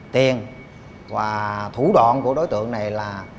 tiền và thủ đoạn của đối tượng này là